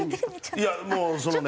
いやもうそのね